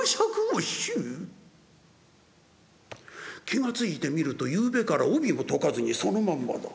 気が付いてみるとゆうべから帯を解かずにそのまんまだ。